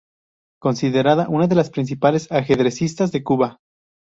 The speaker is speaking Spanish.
Considerada una de las principales ajedrecistas de Cuba.